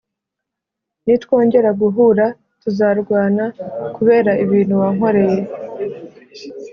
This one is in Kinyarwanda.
Nitwongera guhura tuzarwana kubera ibintu wankoreye